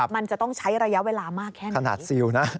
มันจะต้องใช้ระยะเวลามากแค่ไหน